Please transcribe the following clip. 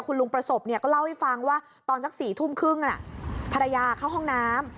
คุณลุงประสบก็เล่าให้ฟังว่าตอนสัก๔ทุ่มครึ่งภรรยาเข้าห้องน้ำ